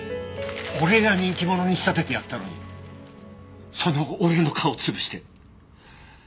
俺が人気者に仕立ててやったのにその俺の顔を潰して。